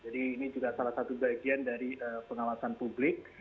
jadi ini juga salah satu bagian dari pengawasan publik